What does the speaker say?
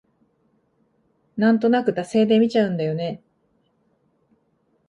なんとなく惰性で見ちゃうんだよね